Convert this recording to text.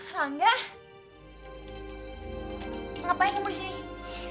rangga ngapain kamu disini